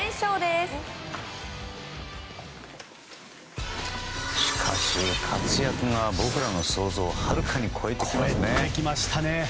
しかし活躍が僕らの想像をはるかに超えてきますね。